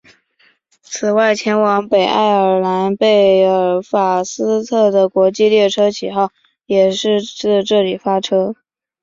此外前往北爱尔兰贝尔法斯特的国际列车企业号也是自这里发车。